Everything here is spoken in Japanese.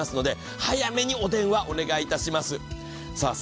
早めにお電話お願いいたします。